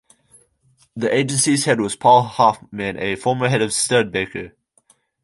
The agency's head was Paul Hoffman, a former head of Studebaker.